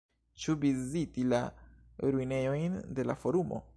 Ĉu viziti la ruinejojn de la Forumo?